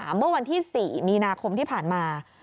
เมื่อวันที่๔มีนาคมที่ผ่านมา